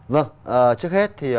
vâng trước hết thì